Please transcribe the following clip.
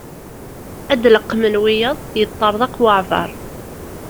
Ad d-leqqmen wiyaḍ, yeṭerḍeq waɛbaṛ.